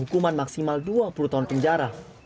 hukuman maksimal dua puluh tahun penjara